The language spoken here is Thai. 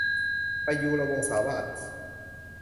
ประยุรวงศาวาส